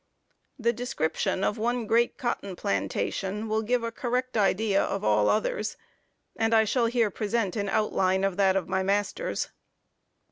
The description of one great cotton plantation will give a correct idea of all others; and I shall here present an outline of that of my master's.